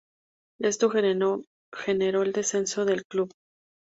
Esto generó el descenso del club.